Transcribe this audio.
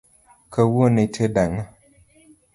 Kawuono itedo ang’o?